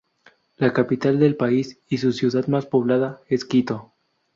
La capital del país y su ciudad más poblada es Quito.